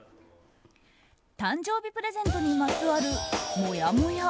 誕生日プレゼントにまつわるもやもや。